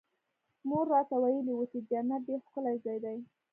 مور راته ويلي وو چې جنت ډېر ښکلى ځاى دى.